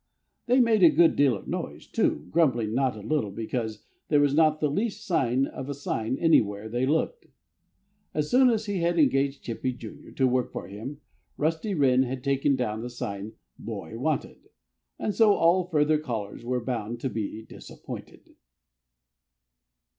They made a good deal of noise, too, grumbling not a little because there was not the least sign of a sign anywhere they looked. As soon as he had engaged Chippy, Jr., to work for him, Rusty Wren had taken down the sign, "Boy Wanted." And so all further callers were bound to be disappointed.